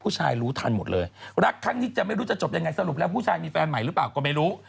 ผู้ชายรู้ทันหมดเลยรักครั้งนี้จะไม่รู้จะจบยังไงสรุปแล้วผู้ชายมีแฟนใหม่หรือเปล่าก็ไม่รู้